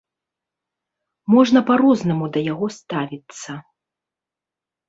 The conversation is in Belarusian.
Можна па-рознаму да яго ставіцца.